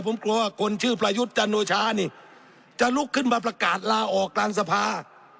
ผมกลัวคนชื่อประยุทธ์จันโอชานี่จะลุกขึ้นมาประกาศลาออกกลางสภา